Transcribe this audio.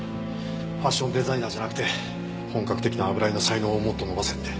ファッションデザイナーじゃなくて本格的な油絵の才能をもっと伸ばせって。